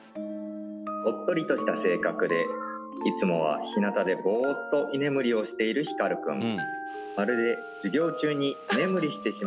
おっとりとした性格でいつもは日なたでボーッと居眠りをしているヒカルくん